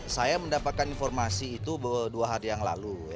saya mendapatkan informasi itu dua hari yang lalu